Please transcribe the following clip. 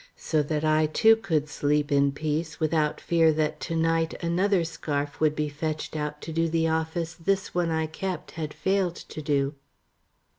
So that I, too, could sleep in peace without fear that to night another scarf would be fetched out to do the office this one I kept had failed to do.